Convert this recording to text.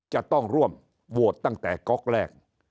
จะต้องร่วมโหวตตั้งแต่ก๊อกแรก